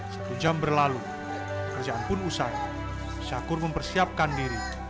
satu jam berlalu kerjaan pun usai syakur mempersiapkan diri